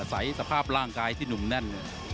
สภาพร่างกายที่หนุ่มแน่น